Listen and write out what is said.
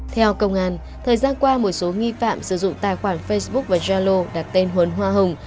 theo công an thời gian qua một số nghi phạm sử dụng tài khoản facebook và yalo đặt tên huấn hoa hồng